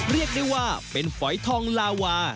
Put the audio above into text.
เรียกได้ว่าเป็นฝอยทองลาวา